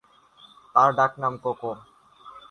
তার ডাকনাম কোকো।